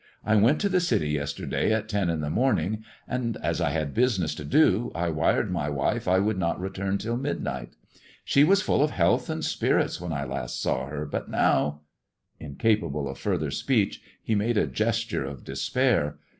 "I went to the City yesterday at ten in the morning, and, as I had business to do, I wired my wife I would not return till midnight. She was fnll of health and spirits when I last saw her, but now " Incapable of further speech he made a gesture of despair.